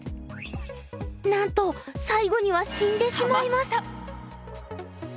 なんと最後には死んでしまいます。